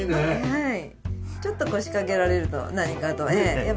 はい。